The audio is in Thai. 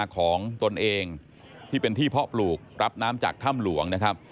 ตนเองที่เป็นที่เพาะปลูกรับน้ำจากถ้ำหลวงนะครับ